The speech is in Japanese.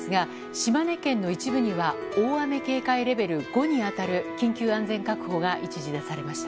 島根県の一部には大雨警戒レベル５に当たる緊急安全確保が一時出されました。